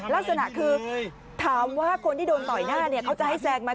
ลักษณะคือถามว่าคนที่โดนต่อยหน้าเนี่ยเขาจะให้แซงไหม